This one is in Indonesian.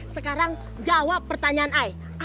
sekarang jawab pertanyaan saya